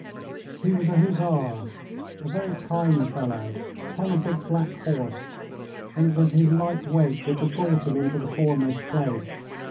He was a Hussar, a very tiny fellow, upon a big black horse, and it was his light weight which had brought him into the foremost place.